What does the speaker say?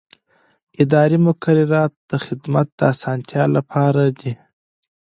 اداري مقررات د خدمت د اسانتیا لپاره دي.